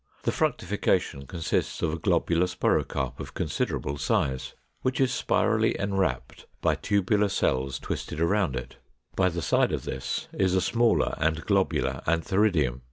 The fructification consists of a globular sporocarp of considerable size, which is spirally enwrapped by tubular cells twisted around it: by the side of this is a smaller and globular antheridium.